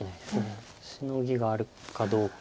シノギがあるかどうか。